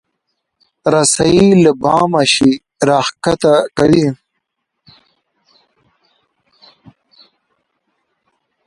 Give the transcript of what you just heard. رسۍ له بامه شی راکښته کوي.